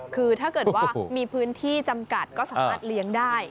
คือถ้าเกิดว่ามีพื้นที่จำกัดก็สามารถเลี้ยงได้